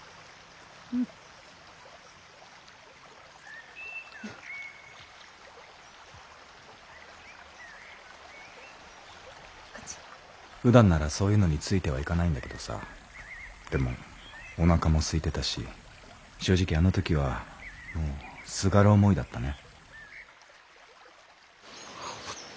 うん。ふだんならそういうのについてはいかないんだけどさでもおなかもすいてたし正直あの時はもうすがる思いだったね。